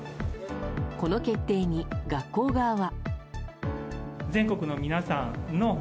この決定に、学校側は。